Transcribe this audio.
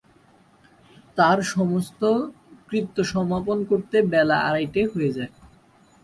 তাঁর সমস্ত কৃত্য সমাপন করতে বেলা আড়াইটে হয়ে যায়।